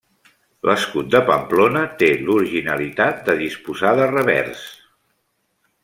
L'escut de Pamplona té l'originalitat de disposar de revers.